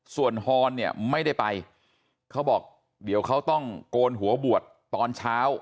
ส่วนฮอนเนี่ยไม่ได้ไปเขาบอกเดี๋ยวเขาต้องโกนหัวบวชตอนเช้า